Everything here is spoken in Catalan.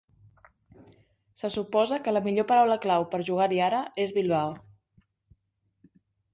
Se suposa que la millor paraula clau per jugar-hi ara és Bilbao.